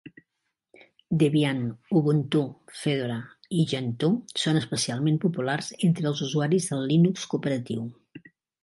Debian, Ubuntu, Fedora i Gentoo són especialment populars entre els usuaris del Linux cooperatiu.